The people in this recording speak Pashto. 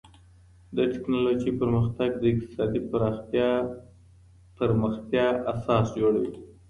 د ټکنالوژۍ پرمختګ د اقتصادي پرمختيا اساس جوړوي.